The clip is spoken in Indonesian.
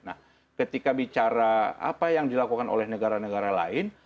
nah ketika bicara apa yang dilakukan oleh negara negara lain